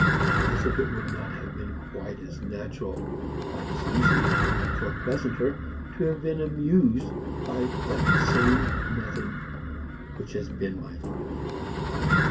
As if it would not have been quite as natural, quite as easy, and far pleasanter, to have been amused by that same nothing which has been my life.